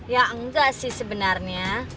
ya enggak sih sebenarnya